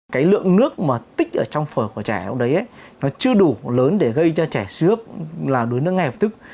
cái lượng nước mà tích ở trong phổi của trẻ đấy nó chưa đủ lớn để gây cho trẻ suy ước là đuối nước nghe hợp thức